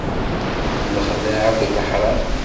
D lexdeɛ akked leḥram.